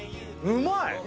うまい！